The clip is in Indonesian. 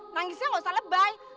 nangisnya gak usah lebay